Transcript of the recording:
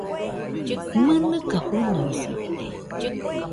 ¡Mɨnɨka fɨnoisɨite!